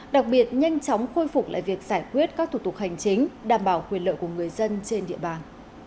đặc biệt nhanh chóng khôi phục lại việc giải quyết các thủ tục hành chính đảm bảo quyền lợi của người dân trên địa bàn